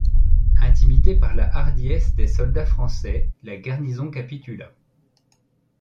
Intimidée par la hardiesse des soldats français, la garnison capitula.